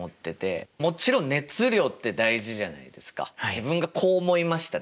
自分がこう思いましたっていう。